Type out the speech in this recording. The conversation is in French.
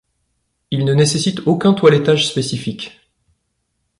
Il ne nécessite aucun toilettage spécifique.